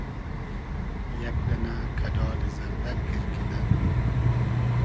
یئگ دئنۂ کئۮالی زئردئگ گیر کیدۂ